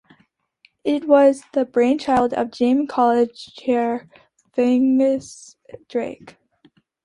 It was the brainchild of James College Chair, Fergus Drake.